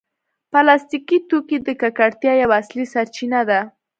پلاستيکي توکي د ککړتیا یوه اصلي سرچینه ده.